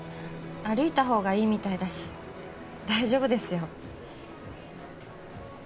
歩いたほうがいいみたいだし大丈夫ですよ